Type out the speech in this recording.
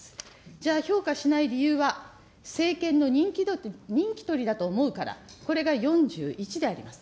じゃあ評価しない理由は、政権の人気取りだと思うから、これが４１であります。